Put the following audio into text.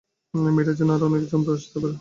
মেয়েটার জন্য আরো অনেক জন্তু আসতে পারে।